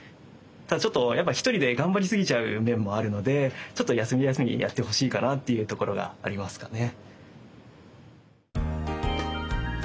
ただちょっとやっぱ一人で頑張りすぎちゃう面もあるのでちょっと休み休みやってほしいかなっていうところがありますかね。